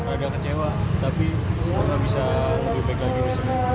agak kecewa tapi semoga bisa lebih baik lagi